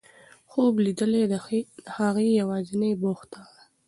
خوب لیدل د هغې یوازینۍ بوختیا وه.